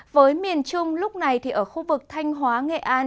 với miền trung lúc này thì ở khu vực thanh hóa nghệ an